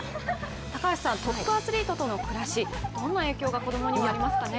高橋さん、トップアスリートとの暮らし、子供にはどんな影響がありますかね？